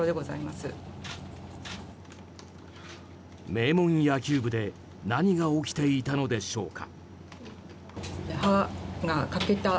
名門野球部で何が起きていたのでしょうか。